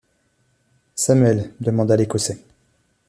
Samuel, demanda l’Écossais.